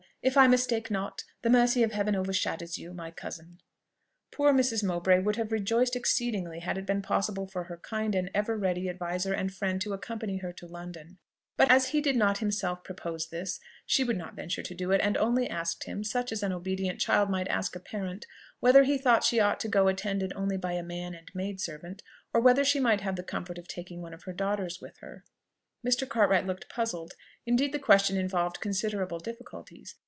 If I mistake not, the mercy of Heaven overshadows you, my cousin." Poor Mrs. Mowbray would have rejoiced exceedingly had it been possible for her kind and ever ready adviser and friend to accompany her to London; but as he did not himself propose this, she would not venture to do it, and only asked him, such as an obedient child might ask a parent, whether he thought she ought to go attended only by a man and maid servant, or whether she might have the comfort of taking one of her daughters with her. Mr. Cartwright looked puzzled; indeed the question involved considerable difficulties.